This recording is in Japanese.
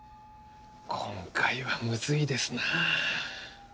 今回はむずいですなぁ。